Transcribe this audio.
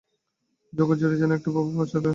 জগৎ জুড়িয়া যেন একটা প্রভাব-প্রসারের ব্যাপার চলিতেছে।